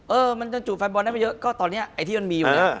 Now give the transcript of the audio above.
เออมันจะจูบแฟนบอลได้ไม่เยอะก็ตอนนี้ไอ้ที่มันมีอยู่เนี่ย